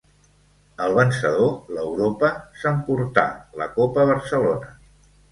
El vencedor, l'Europa s'emportà la Copa Barcelona.